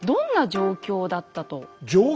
状況？